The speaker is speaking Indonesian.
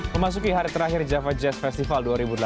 memasuki hari terakhir java jazz festival dua ribu delapan belas